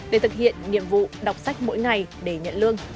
để thực hiện nhiệm vụ đọc sách